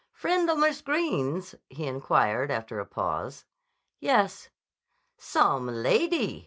"Friend o' Miss Greene's?" he inquired after a pause. "Yes." "Some lady!"